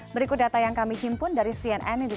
berikut data yang kami himpun dari cnnindonesia com